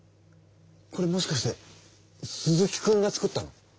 これもしかして鈴木くんが作ったの？